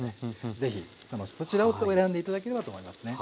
是非そちらを選んで頂ければと思いますね。